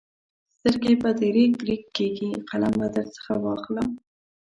سترګې به دې رېګ رېګ کېږي؛ قلم به درڅخه واخلم.